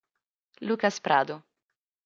Lucas Prado